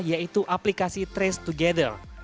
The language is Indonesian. yaitu aplikasi trace together